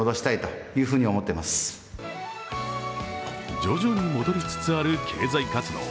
徐々に戻りつつある経済活動。